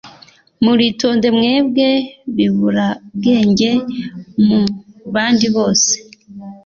Muritonde mwebwe biburabwenge mu bandi bose